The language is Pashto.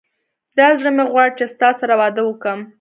دا زړه مي غواړي چي ستا سره واده وکم